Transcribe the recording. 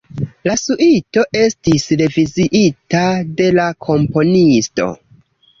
La suito estis reviziita de la komponisto.